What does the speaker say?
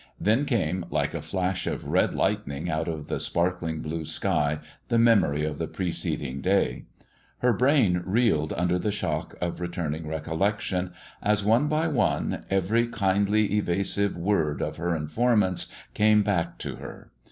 Then came, like a flash of red lightning out of the sparkling blue sky, the memory of the preceding day. Her brain reeled under the shock of returning recollection, as, one by one, every kindly evasive word of her informants came back to her.